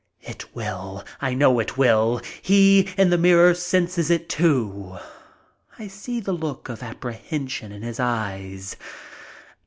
It will! I know it will! He, in the mirror, senses it too. I see the look of apprehension in his eyes.